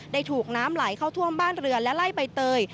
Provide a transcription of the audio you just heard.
ถูกน้ำไหลเข้าท่วมบ้านเรือและไล่ใบเตย